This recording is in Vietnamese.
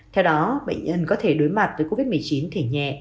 theo đó bệnh nhân có thể đối mặt với covid một mươi chín thể nhẹ